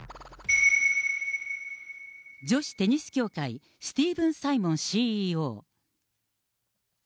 女子テニス協会、スティーブ・サイモンＣＥＯ。